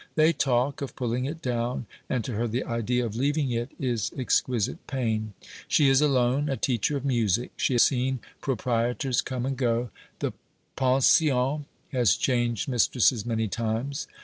They talk of pulling it down, and to her the idea of leaving it is exquisite pain. She is alone, a teacher of music. She has seen proprietors come and go. The pension has changed mistresses many times.